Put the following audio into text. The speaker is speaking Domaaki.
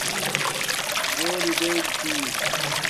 گھولی دینم چحس